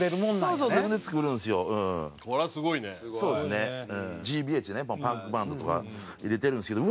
ＧＢＨねパンクバンドとか入れてるんですけど